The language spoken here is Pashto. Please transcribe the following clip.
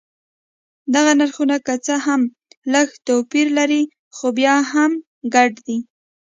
دغه نرخونه که څه هم لږ توپیر لري خو بیا هم ګډ دي.